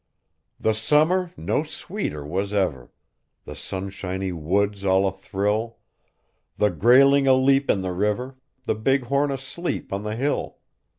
The summer no sweeter was ever; The sunshiny woods all athrill; The grayling aleap in the river, The bighorn asleep on the hill.